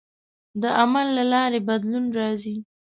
د عمل له لارې بدلون راځي.